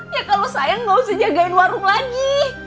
ya kalau sayang gak usah jagain warung lagi